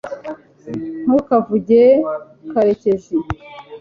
ntukavuge karekezi